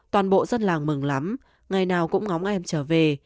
toàn bộ dân làng mừng lắm ngày nào cũng ngóng em trở về